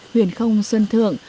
huyền không sơn thượng